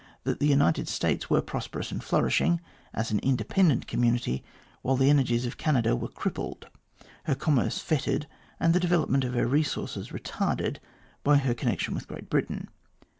that the United States were prosperous and flourishing as an independent community, while the energies of Canada were crippled, her commerce fettered, and the development of her resources retarded by her connection with Great Britain.